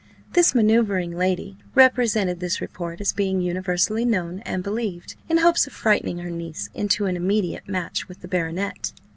This manoeuvring lady represented this report as being universally known and believed, in hopes of frightening her niece into an immediate match with the baronet.